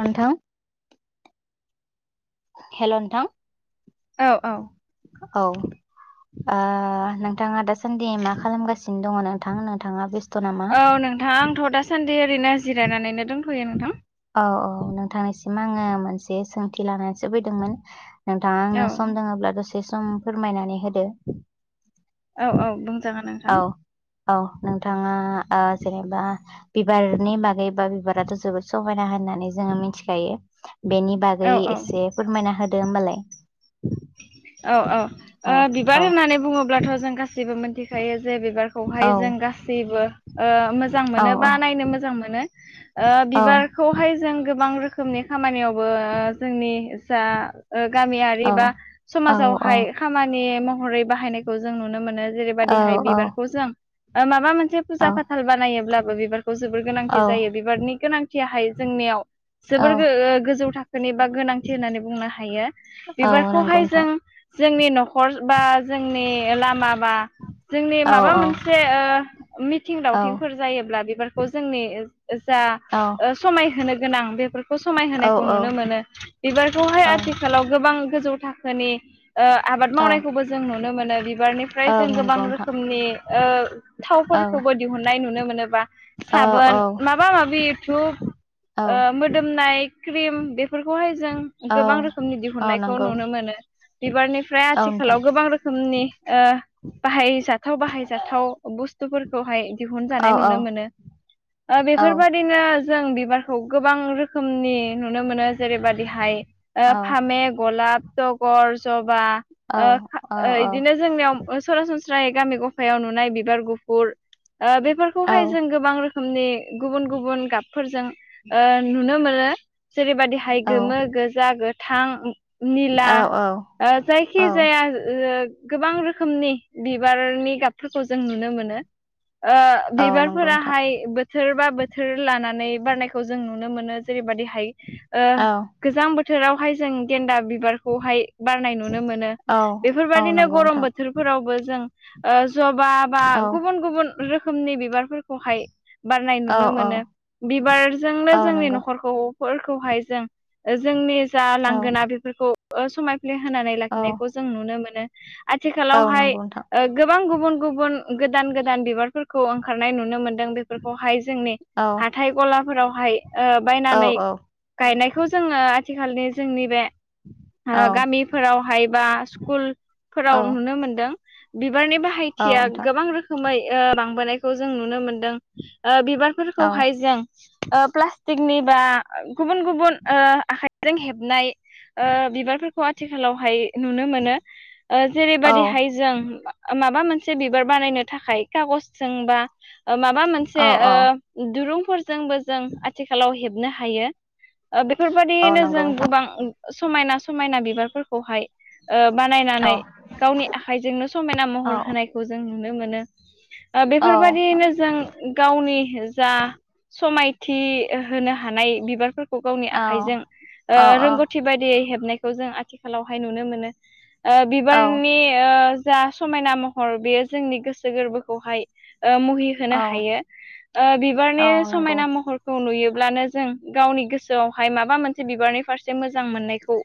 नोंथां [inaudible] हेल' नोंथां औ औ। औ ओ नोंथाङा दासान्दि मा खालामगासिनो दङ नोंथां नोंथाङा बेस औ नोंथां आंथ' दासान्दि ओरैनो जिरायनानैनो दोनथ'यो नोंथां औ औ नोंथांनिसिम आङो मोनसे सोंथि लानानैसो फैदोंमोन नोंथाङा औ आंनो सम दङब्ला दसे इ सम फोरमायनानै होदो औ औ बुंजागोन औ नोंथां औ नोंथाङा जेनेबा बिबारनि बागै बा बिबाराथ' जोबोद समहायना होन नानै जोङो मिथिखायो बेनि बागै औ औ एसे फोरमायना होदो होमबालाय औ औ औ ओ औ बिबार होननानै बुङोब्लाथ' जों गासैबो मोनथि खायो जे औ बिबारखौहाय जों गासै ओ मोजां औ मोनो बा नायनो मोजां मोनो ओ औ बिबारखौहाय जों गोबां रोखोम रोखोमनि खामानियावबो जोंनि जा ओ गामियारि औ बा औ समाजावहाय औ खामानि महरै बाहायनायखौ जों नुनो मोनो जेरैबायदिहाय बिबारखौ जों माबा मोनसे औ फुजा फाथाल बानायोब्लाबो बिबारखौ जोबोर गोनांथि औ जायो बिबारनि गोनांथियाहाय जोंनियाव औ जोबोर गोजौ थाखोनि बा गोनांथि होननानै बुंनो हायो औ बिबार नंगौ खौहाय नोंथां जों जोंनि न'खर बा जोंनि लामा बा जोंनि औ माबा मोनसे मिथिं औ दावथिंफोर जायोब्ला बिबारखौ जोंनि जा औ समायहोनो गोनां बेफोरखौ समायहोनायखौ औ नुनो मोनो बिबारखौहाय औ आथिखालाव गोबां गोजौ थाखोनि आबाद औ मावनायखौबो जों नुनो मोनो बिबारनिफ्राय औ जों गोबां नंगौ नोंथां रोखोमनि ओ थावफोर औ फोरखौबो दिहुननाय नुनो मोनोबा औ साबोन औ माबा माबि डुब औ मोदोमनाय क्रिम बेफोरखौहाय जों औ गोबां रोखोमनि औ दिहुननायखौ नंगौ नुनो मोनो बिबारनिफ्राय औ आथिखालाव नोंथां गोबां रोखोमनि ओ बाहायजाथाव बाहायजाथाव बुस फोरखौहाय औ दिहुनजानाय औ नुनो मोनो औ बेफोरबायदिनो जों बिबारखौ गोबां रोखोमनि नुनो मोनो जेरैबादिहाय औ ओ फामे गलाप जगर जब औ औ ओ इदिनो जोंनियाव सरा सरासनस्रा निफ्राय गामि गफायाव नुनाय बिबार गुफुर ओ औ बेफोरखौहाय जों गोबां रोखोमनि गुबुन गुबुन गाबफोरजों नुनो मोनो। जेरैबायदिहाय गोमो गोजा गोथां [unintelligible] औ जायखिजाया गोबां रोखोमनि बिबारनि गाब फोरखौ जों नुनो मोनो ओ औ नंगौ नोंथां बिबारफोराहाय बोथोर बा बोथोर लानानै बारनायखौ जों नुनो मोनो जेरैबायदिहाय ओ औ गोजां बोथोरावहाय जों गेनदा बिबार खौहाय बारनाय नुनो मोनो औ औ बेफोरबायदिनो नंगौ गरम नोंथां बोथोरफोरावबो जों ओ जबा बा औ गुबुन गुबुन रोखोमनि बिबार फोरखौहाय बारनाय औ नुनो औ मोनो बिबारजोंनो औ जोंनि नंगौ न'खरखौफोरखौहाय जों जोंनि जा औ लांगोना बेफोरखौ समायफ्ले होनानै औ लाखिनायखौ जों नुनो मोनो। औ आथिखालावहाय नंगौ नोंथां ओ गोबां गुबुन गुबुन गोदान गोदान बिबारफोरखौ ओंखारनाय नुनो मोनदों। बेफोरखौहाय जोंनि औ हाथाय गलाफोरावहाय ओ औ बायनानै गायनायखौ जोङो आथिखालनि जोंनि बे औ गामिफोरावहाय बा औ स्कुलफोराव नुनो मोनदों। बिबारनि औ बाहायथिया नोंथां गोबां रोखोमै बांबोनायखौ जों नुनो मोनदों। औ बिबारफोरखौहाय जों फ्ला थिगनि बा गुबुन गुबुन आखाइजों हेबनाय ओ बिबारफोरखौ आथिखालावहाय नुनो मोनो औ जेरैबायदिहाय जों माबा मोनसे बिबार बानायनो थाखाय खागसजों बा माबा मोनसे औ औ दुरुं जोंबो जों आथिखालाव हेबनो हायो औ बेफोरबायदियैनो नंगौ जों नोंथां गोबां समायना समायना बिबारफोरखौहाय ओ बानायनानै गावनि आखाइजोंनो समायना औ महर होनायखौ जों नुनो मोनो। ओ औ बेफोरबायदियैनो जों गावनि जा समायना थि होनो हानाय बिबारफोरखौ गावनि औ आखाइजों ओ रोंगौथि बायदियै हेबनायखौ जों आथिखालावहाय नुनो मोनो। ओ औ बिबारनि ओ जा समायना महर बेयो जोंनि गोसो गोरबोखौहाय ओ मुहि होनो औ हायो। ओ बिबारनि औ नंगौ समायना महरखौ नुयो ब्लानो जों गावनि गोसोआवहाय माबा मोनसे बिबारनि फारसे मोजां मोननायखौ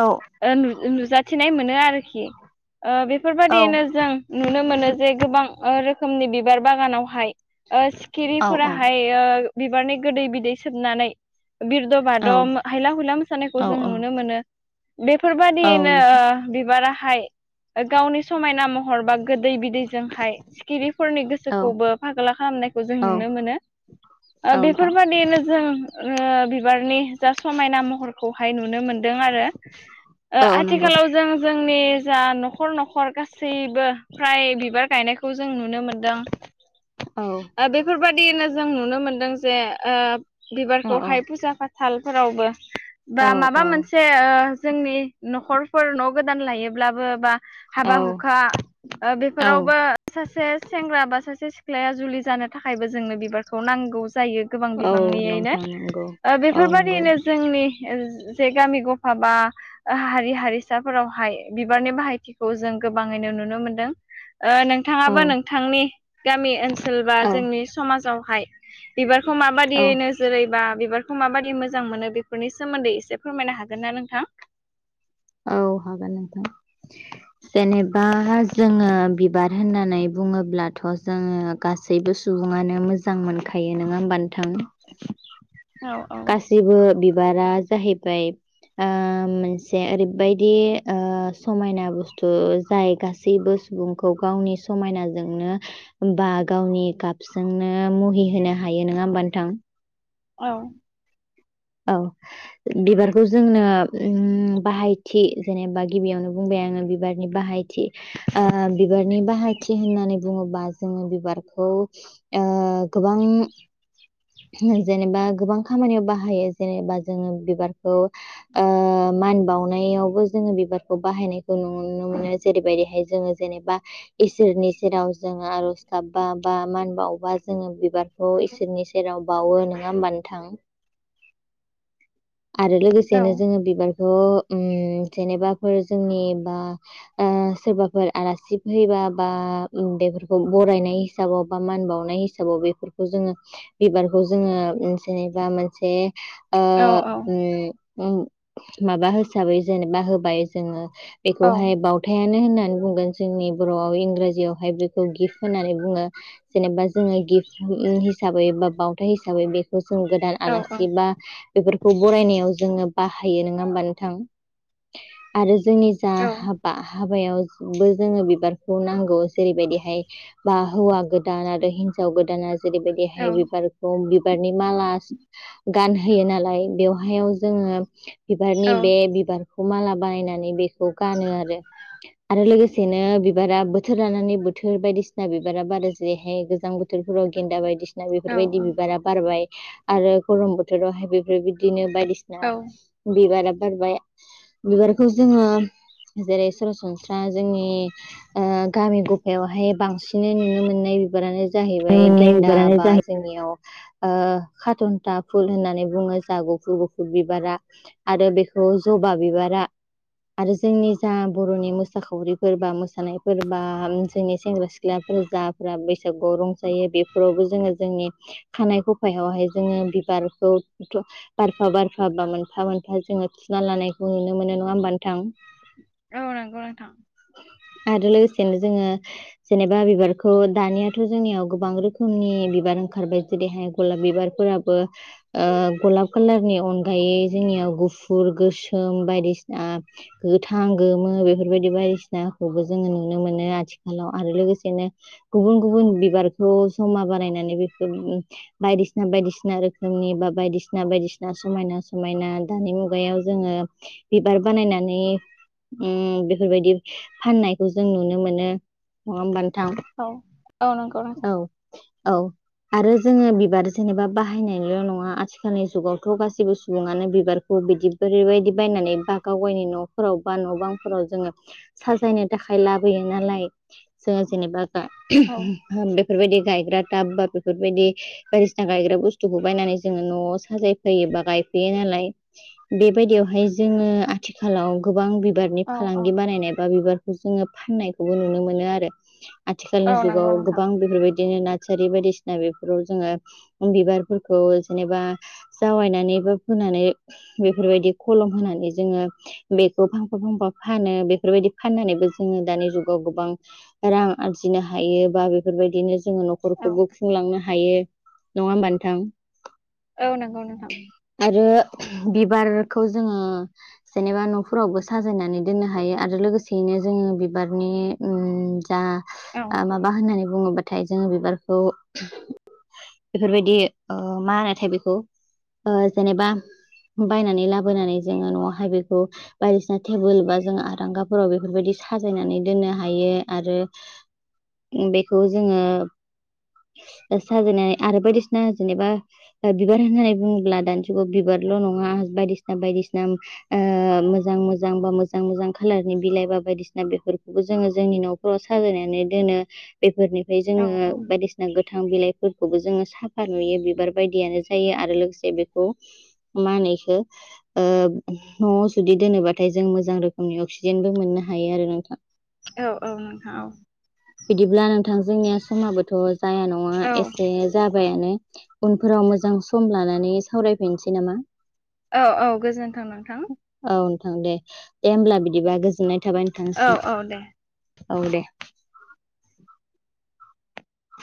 औ नुजाथिनाय मोनो आरोखि ओ औ बेफोरबाददियैनो जों नुनो मोनो जे गोबां रोखोमनि बिबार बागानावहाय ओ औ सिखिरिफोराहाय ओ बिबारनि गोदै बिदै सोबनानै बिरद' बाद' औ हायला हुला मोसानायखौ औ जों नुनो मोनो। औ बेफोरबायदियैनो नोंथां ओ बिबाराहाय गावनि समायना महर बा गोदै बिदैजोंहाय सिखिबिफोरनि औ गोसोखौबो फागोला खालामनायखौ जों औ नुनो मोनो। ओ औ नोंथां बेफोरबादियैनो जों ओ बिबारनि जा समायना महरखौहाय नुनो मोनदों आरो औ नंगौ आथिखालाव जों जों जोंनि जा न'खर न'खर गासैबो फ्राय बिबार गायनायखौ जों नुनो मोनदों औ ओ बेफोरबाय दिनो जों नुनो मोनदों जे औ औ बिबारखौहाय फुजा फाथालफोरावबो बा माबा मोनसे ओ जोंनि न'खरफोर न' गोदान लायोब्लाबो बा हाबा हुखा ओ औ बेफोरावबो सासे सेंग्रा बा सासे सिख्ला या जुलि जानो थाखायबो जोंनो बिबारखौ नांगौ जायो गोबां औ बिबांनियैनो नोंथां नंगौ ओ बे औ नंगौ फोरबायदिनो जोंनि जे गामि गफा बा हारि हारिसाफोरावहाय बिबारनि बाहायथिखौ जों गोबांयै नो नुनो मोनदों। ओ औ नोंथांङाबो नोंथांनि गामि ओनसोल बा औ जोंनि समाजावहाय बिबारखौ औ माबायदियै नोजोरैबा बिबार खौ माबाददि मोजां मोनो बेफोरनि सोमोन्दै एसे फोरमायनो हागोन ना नोंथां? औ हागोन नोंथां। जेनेबा जोंङो बिबार होननानै होनोब्लाथ' जों गासैबो सुब सुबुङानो मोजां मोनखायो नंङा होमबा नोंथां? औ औ गासिबो बिबारा जाहैबाय ओमोनसे ओरैबायदि ओ समायना बुस्थु जाय गासैबो सुबुंखौ गावनि समायनाजोंनो बा गावनि गाबजोंनो मुहि होनो हायो। हायो नंङा होमबा नोथां? औ। औ। बिबारखौ जोंनो ओम बाहायथि जेनेबा गिबियावनो बुंबाय आंङो बिबारनि बाहाय थि ओ बिबारनि बाहायथि होननानै बुंङोबा जोंङो बिबारखौ ओ ओ गोबां जेनेबा गोबां खामानियाव बाहायो। जेनेबा जोङो बिबारखौ ओ मान बावनायावबो जोङो बिबारखौ बाहायनायखौ नुनो मोनो जेरैबायदिहाय जोंङो जेनेबा इसोरनि सेराव जोंङो आर'ज गाबबा बा मान बाबा जोंङो बिबारखौ इसोरनि सेराव बावो। नंङा होमबा नोंथां? आरो लोगोसेनो जोंङो बिबारखौ ओम जेनेबाफोर जोंनि बा ओ सोरबाफोर आलासि फैबा बा उन्दैफोरखौ बरायनाय हिसाबाव बा मान बावनाय हिसाबाव बेफोरखौ जोंङो बिबारखौ जोंङो जेनेबा मोनसे ओ औ ओम माबा हिसाबै जेनेबा होबाय जोंङो औ बेखौहाय बावथायानो होनो बुंगोन जोंनि बर'आव इंराजियावहाय बेखौ गिफ्ट होननानै बुंङो। जेनेबा जोंङो गिफ्ट हिसाबै बा बावथाइ हिसाबै बेखौ जों गोदान औ आलासि बेफोरखौ बरायनायाव जोंङो बाहायो नंङा होमबा नोंथां? आरो जोंनि जा हाबा हाबायावबो जोंङो बिबारखौ नांगौ जेरैबायदिहाय बा हौवा गोदान आरो हिन हिनजाव गोदाना जेरैबायदिहाय बिबारखौ बिबारनि माला गानहोयो नालाय बेवहायाव जोंङो औ बिबारनि बे बिबारखौ माला बानायनानै बेखौ गानो आरो आरो लोगोसेनो बिबारा बोथोर लानानै बोथोर बायदिसिना बिबारा बारा जेरैहाय गोजां बोथोर बोथोरफोराव गेन्दा बायदिसिना औ बेफोरबायदि बिबारा बारबाय आरो गरम बोथोरावहाय बेफोर बिदिनो बायदिसिना औ बिबारा बारबाय बिबारखौ जोंङो जेरै सरासनस्रा जोंनि गामि गफायावहाय बांसिनै नुनो मोननाय बिबारानो जाहैबाय मोननाय गेन्दा बिबारानो बा जाहै जोंनियाव खाथ'न्था फुल होननानै बुंङो जा गुफुर गुफुर बिबारा आरो बेखौ जबा बिबारा बा आरो जोंनि जा बर'नि मोसाखावरिफोर बा मोसानायफोर बा जोंनि सेंग्रा सिख्ला जाफ्रा बैसागुआव रंजायो बेफोरावबो जोंङो जोंनि खानाय खुफायावहाय जोंङो बिबारखौ बारफा बारफा बा मोनफा मोनफा जोंङो थुना लानायखौ नुनो मोनो नंङा होनबान्थां औ नंगौ नोंथां औ आरो लोगोसेनो जोंङो जेनेबा बिबारखौ दानियाथ' जोंनियाव गोबां रोखोमनि बिबार ओंखारबाय जेरैहाय गलाब बिबार फोराबो ओ गलाब कालारनि अनगायै जोंनियाव गुफुर गोसोम बायदि आ गोथां गोमो बेफोरबायदि बायसिनाखौबो जोङो नुनो मोनो आथिखालाव आरो लोगोसेनो गुबुन गुबुन बिबारखौ जमा बानायनानै बेफोर उम बायदिसि सिना बायदिसिना रोखोमनि बा बायदिसिना बायदिसिना समायना समायना दानि मुगायाव जोङो बिबार बानायनानै उम बेफोरबायदि फाननायखौ जों नुनो मोनो नङा होमबा नों थां औ औ नंगौ नोंथां औ -औ आरो जोङो बिबार ज जेनेबा बाहायनायल' नङा आथिखालनि जुगावथ' गासैबो सुबुङानो बिबारखौ बिदि बैरैबायदि बायना नानै बा गावगायनि न'फोराव बा न' बांफोराव जोङो साजायनो थाखाय लाबोयो नालाय जोङो जेनेबा गा औ बेफोरबायदि गायग्रा टाब बा बेफोरबायदि बायदिसिना गायग्रा बुस्थुखौ बायनानै जोङो न'आव साजायफैयो बा गायफैयो नालाय बेबायदियाव हाय जोङो आथिखालाव गोबां बि बारनि औ औ फालांगि बानायनाय बा बिबारखौ जोङो फाननायखौबो नुनो मोनो आरो औ आथिखालनि जुगाव नंगौ नोंथां गोबां बेफोरबायदिनो नाटसारि बायदिसिना बेफोराव जोङो बिबारफोरखौ जेनेबा जावायनानै बो फोनानै बेफोरबायदि खल म होनानै जोङो बेखौ फांफा फांफा फानो बेफोरबायदि फाननानैबो जोङो दानि जुगाव गोबां औ रां आरजिनो हायो बा बेफोरबायदिनो जोङो औ न'खरखौबो खुंलांनो हायो नङा होमबा नोंथां औ नंगौ नोंथां आरो बिबारखौ जोङो जेनेबा न'फोरावबो साजायनानै दोननो हायो आरो लोगोसेयैनो जों उम बिबारनि ओ औ माबा होननानै बुङोबाथाय जोङो बिबारखौ बेफोरबायदि ओ मा होनोथाय बेखौ ओ जेनेबा बायनानै लाबोनानै जोङो न'आवहाय बेखौ बायदिसिना थेबोल बा जोङो आरांगाफोराव बेफोरबायदि साजायनानै दोननो हायो आरो बेखौ जोङो एस साजायनानै आरो बायदिसिना जेनेबा ओ बिबार होननानै बुङोब्ला दानि जुगाव बिबारल' नङा बाय दिसिना बायदिसिना ओ मोजां मोजां बा मोजां मोजां खालारनि बिलाइ बा बायदिसिना बेफोरख खौ जोङो जोंनि न'फोराव साजायनानै दोनो बेफोरनिफ्राय औ जोङो औ बायदिसिना गोथां बिलाइ खौबो जोङो साफा नुयो बिबार बायदियानो जायो आरो लोगोसे बेखौ मा होनो इखो ओ न'आव जुदि दोनोबाथाय जों मोजां रोखोमनि अक्सिजेनबो मोननो हायो आरो नोंथां औ -औ नोंथां औ। थां जोंनिया समाबोथ' जाया नङा औ एसे जाबायानो उनफोराव मोजां सम लानानै सावरायफैनोसै नामा? औ -औ गोजोन्थों नोंथां। थां दे दे होमब्ला बिदिबा गोजोननाय थाबाय औ औ दे नोंथांसिम। औ दे।